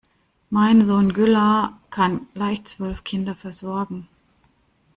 Mein Sohn Güllar kann leicht zwölf Kinder versorgen.